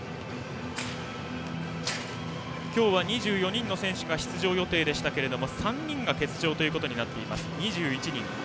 今日は２４人の選手が出場予定でしたが３人が欠場となって２１人です。